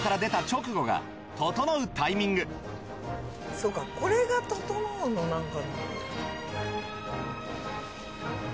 そうかこれがととのうのなんか。